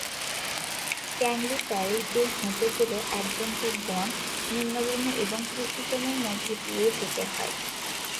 ট্যাংলি parish দিয়ে হেঁটে গেলে একজনকে বন, নিম্নভূমি এবং কৃষিজমির মধ্য দিয়ে যেতে হয়।